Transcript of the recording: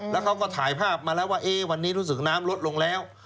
แล้วเขาก็ถ่ายภาพมาแล้วว่าวันนี้รู้สึกน้ำลดลงแล้ว